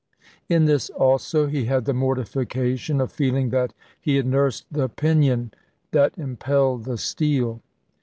In this also he had the mortification of feeling that he had nursed the pinion that impelled the steel.